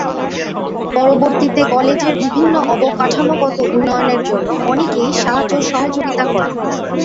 পরবর্তীতে কলেজের বিভিন্ন অবকাঠামোগত উন্নয়নের জন্য অনেকেই সাহায্য সহযোগিতা করেন।